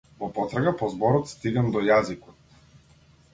Во потрага по зборот стигам до јазикот.